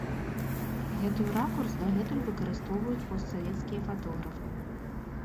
Гэтую ракурс дагэтуль выкарыстоўваюць постсавецкія фатографы.